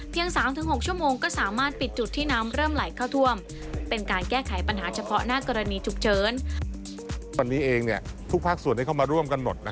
เพียง๓๖ชั่วโมงก็สามารถปิดจุดที่น้ำเริ่มไหลเข้าท่วม